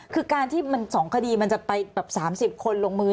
คือการที่มันส่องคดีมันจะไปแบบสามสิบคนลงมือ